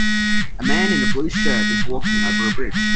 A man in a blue shirt is walking over a bridge.